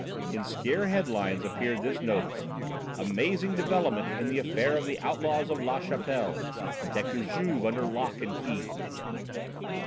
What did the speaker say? In scare headlines appeared this notice "Amazing development in the affair of the Outlaws of La Chapelle. Detective Juve under lock and key."